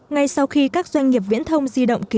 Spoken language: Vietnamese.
ngay sau khi các doanh nghiệp viễn thông di động